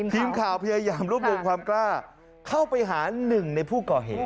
ทีมข่าวพยายามรวบรวมความกล้าเข้าไปหาหนึ่งในผู้ก่อเหตุ